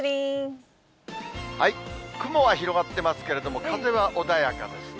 雲は広がってますけれども、風は穏やかですね。